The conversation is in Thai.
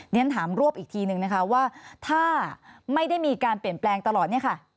ดังนั้นถามรวบอีกทีนึงนะคะถ้าไม่ได้มีการเปลี่ยนแปลงตลอด